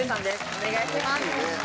お願いします。